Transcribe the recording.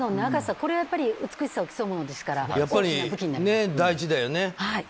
これはやっぱり美しさを競うものですから大事だよね。